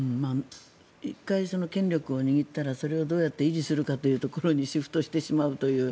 １回、権力を握ったらそれをどうやって維持するかというところにシフトしてしまうという。